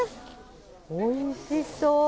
おいしそう。